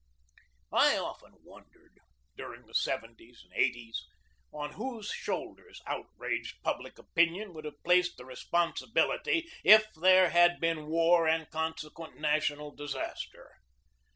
I often wondered, during the 'yo's and '8c/s, on whose shoulders outraged public opinion would have placed the responsibility if there had been war and consequent national disaster.